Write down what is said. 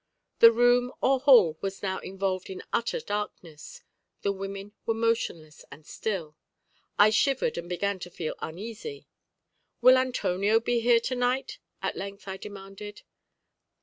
The room or hall was now involved in utter darkness; the women were motionless and still; I shivered and began to feel uneasy. "Will Antonio be here to night?" at length I demanded.